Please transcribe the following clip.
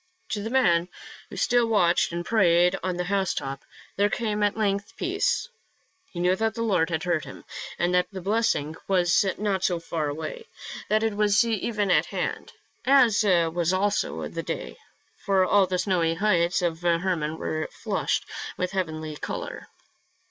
To the man, who still watched and prayed on the housetop, there came at length peace. He knew that the Lord had heard him, and that the blessing was not far away, that it was even at hand — as was also the day, for all the snowy heights of Hermon were flushed with heavenly color.